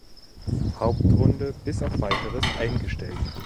Hauptrunde bis auf Weiteres eingestellt.